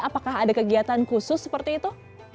apakah ada kegiatan khusus seperti itu